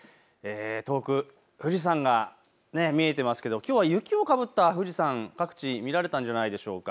遠く富士山が見えていますけれどきょうは雪をかぶった富士山、各地、見られたんじゃないでしょうか。